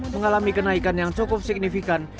mengalami kenaikan yang cukup signifikan